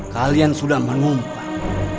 kalian sudah menumpang